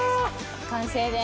完成です。